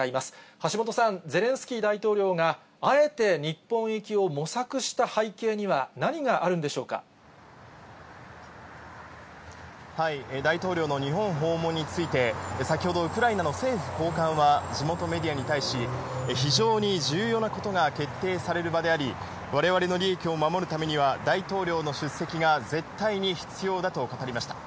橋本さん、ゼレンスキー大統領があえて日本行きを模索した背景には何がある大統領の日本訪問について、先ほど、ウクライナの政府高官は地元メディアに対し、非常に重要なことが決定される場であり、われわれの利益を守るためには、大統領の出席が絶対に必要だと語りました。